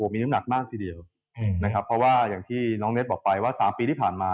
มีน้ำหนักมากทีเดียวนะครับเพราะว่าอย่างที่น้องเน็ตบอกไปว่า๓ปีที่ผ่านมา